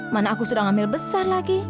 mana aku sudah ngambil besar lagi